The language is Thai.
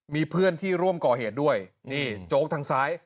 มีเพื่อนที่ร่วมก่อเหตุด้วยนี่โจ๊กทางซ้าย